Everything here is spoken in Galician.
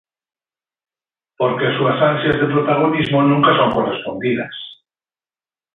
Porque as súas ansias de protagonismo nunca son correspondidas.